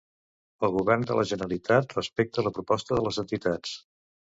El govern de la Generalitat respecta la proposta de les entitats.